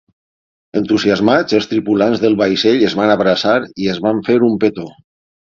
Entusiasmats, els tripulants del vaixell es van abraçar i es van fer un petó.